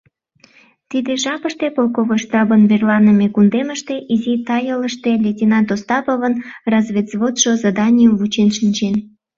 ...Тиде жапыште полковой штабын верланыме кундемыште, изи тайылыште, лейтенат Остаповын разведвзводшо заданийым вучен шинчен.